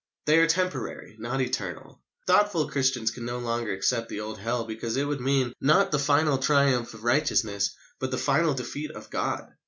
They are temporary, not eternal. Thoughtful Christians can no longer accept the old Hell, because it would mean, not the final triumph of righteousness, but the final defeat of God.